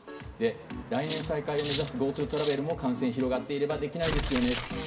来年再開を目指すＧｏＴｏトラベルも感染が広がっていればできないですよねと。